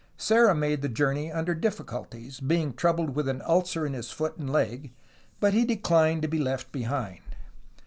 Serra made the journey under difficulties, being troubled with an ulcer in his foot and leg, but he de clined to be left behind.